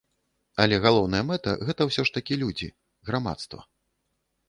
Але галоўная мэта гэта ўсё ж такі людзі, грамадства.